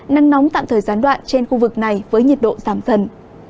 nắng nóng tạm thời gián đoạn trên khu vực này với nhiệt độ giảm dần